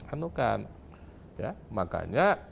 anukan ya makanya